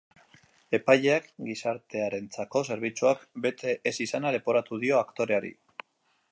Epaileak gizartearentzako zerbitzuak bete ez izana leporatu dio aktoreari.